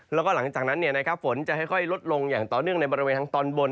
แล้วก็หลังจากนั้นฝนจะค่อยลดลงอย่างต่อเนื่องในบริเวณทางตอนบน